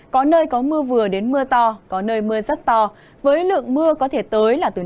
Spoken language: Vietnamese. có nơi có mưa vừa đến mưa to có nơi mưa rất to với lượng mưa có thể tới là từ năm mươi một trăm linh mm